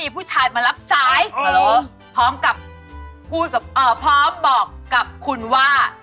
พ่อบอกกับคุณว่า